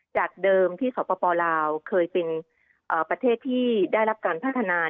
จากเดิมที่สปลาวเคยเป็นประเทศที่ได้รับการพัฒนา